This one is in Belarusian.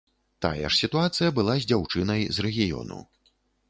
Тая ж сітуацыя была з дзяўчынай з рэгіёну.